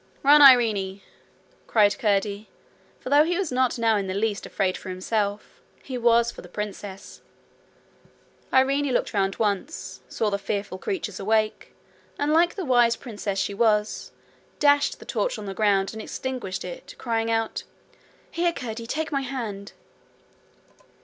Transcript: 'Run, Irene!' cried Curdie, for though he was not now in the least afraid for himself, he was for the princess. Irene looked once round, saw the fearful creatures awake, and like the wise princess she was, dashed the torch on the ground and extinguished it, crying out: 'Here, Curdie, take my hand.'